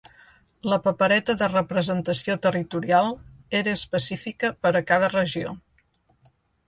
La papereta de representació territorial era específica per a cada regió.